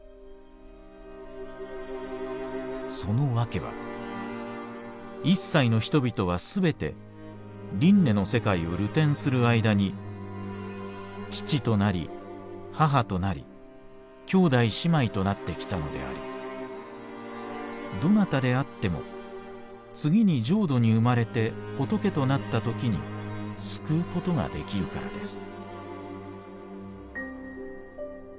そのわけは一切の人々はすべて輪廻の世界を流転する間に父となり母となり兄弟姉妹となってきたのでありどなたであっても次に浄土に生まれて仏となったときに救うことができるからです」。